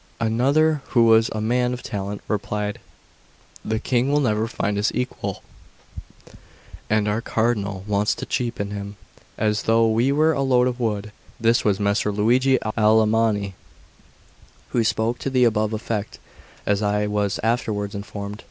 Another, who was a man of talent, replied: "The King will never find his equal, and our Cardinal wants to cheapen him, as though he were a load of wood." This was Messer Luigi Alamanni who spoke to the above effect, as I was afterwards informed.